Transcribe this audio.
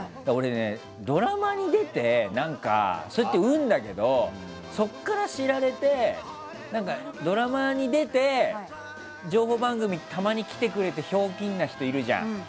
ドラマに出て、それは運だけどそこから知られてドラマに出て情報番組にたまに来てくれるひょうきんな人がいるじゃん。